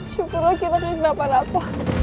syukurlah kita bisa kenapa napa